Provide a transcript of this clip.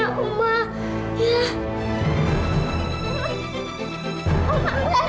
aku larang mau lihat ular putih